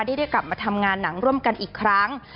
ได้กลับมาทำงานหนังร่วมกันอีกครั้ง